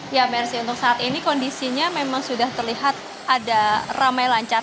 ya mersi untuk saat ini kondisinya memang sudah terlihat ada ramai lancar